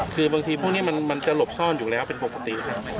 คือบางทีพวกนี้มันจะหลบซ่อนอยู่แล้วเป็นปกติครับ